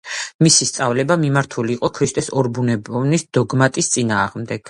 მისი სწავლება მიმართული იყო ქრისტეს ორბუნებოვნების დოგმატის წინააღმდეგ.